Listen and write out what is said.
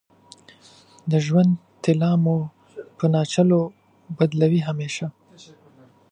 د ژوند طلا مو په ناچلو بدلوې همیشه